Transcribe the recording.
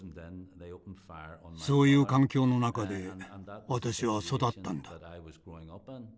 そういう環境の中で私は育ったんだ。